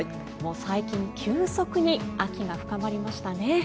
最近、急速に秋が深まりましたね。